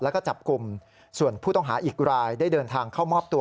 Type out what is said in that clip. แล้วก็จับกลุ่มส่วนผู้ต้องหาอีกรายได้เดินทางเข้ามอบตัว